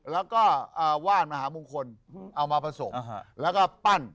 แล้วก็ว่านมหามงคลเอามาผสมแล้วก็ปั้น